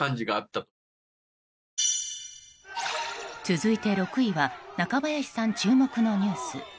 続いて６位は中林さん注目のニュース。